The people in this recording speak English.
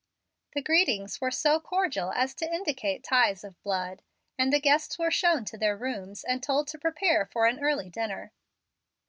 The greetings were so cordial as to indicate ties of blood, and the guests were shown to their rooms, and told to prepare for an early dinner.